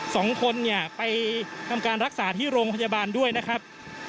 สองคนเนี่ยไปทำการรักษาที่โรงพยาบาลด้วยนะครับ